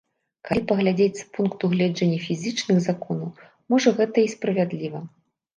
Калі паглядзець з пункту гледжання фізічных законаў, можа, гэта і справядліва.